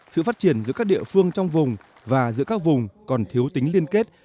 sự phát triển giữa các địa phương trong vùng và giữa các vùng còn thiếu tính liên kết